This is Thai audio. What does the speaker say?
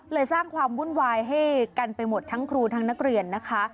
สร้างความวุ่นวายให้กันไปหมดทั้งครูทั้งนักเรียนนะคะ